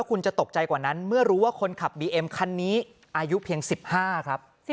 คุณจะตกใจกว่านั้นเมื่อรู้ว่าคนขับบีเอ็มคันนี้อายุเพียง๑๕ครับ